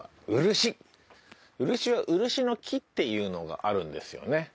漆は漆の木っていうのがあるんですよね。